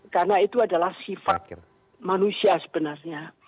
karena itu adalah sifat manusia sebenarnya